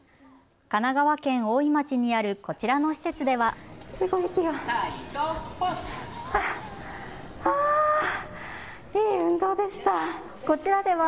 神奈川県大井町にあるこちらの施設では。